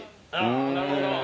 なるほど。